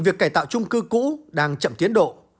việc cải tạo trung cư cũ đang chậm tiến độ